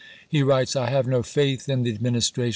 He writes :" I have no faith in the Administration.